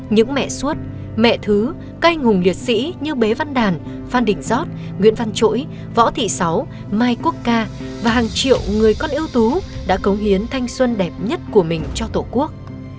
những mẹ suốt mẹ thứ các anh hùng liệt sĩ như bế văn đàn phan đình giót nguyễn văn chỗi võ thị sáu mai quốc ca và hàng triệu người con ưu tú đã cống hiến thanh xuân đẹp nhất của mình cho tổ quốc